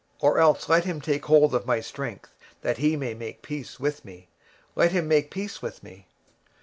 23:027:005 Or let him take hold of my strength, that he may make peace with me; and he shall make peace with me.